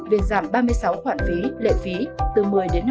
việc giảm ba mươi sáu khoản phí lệ phí từ một mươi năm mươi